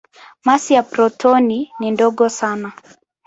Masi ya protoni ni ndogo sana.